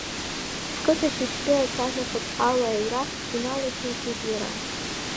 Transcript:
Сқыҭа шьыжьтәи асахьа хыҭҳәаала аҩра, иналаҭеикит иара.